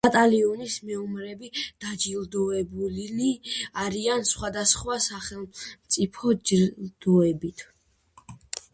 ბატალიონის მეომრები დაჯილდოებულნი არიან სხვადასხვა სახელმწიფო ჯილდოებით.